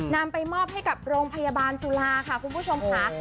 นำไปมอบให้กับโรงพยาบาลจุฬาค่ะคุณผู้ชมค่ะ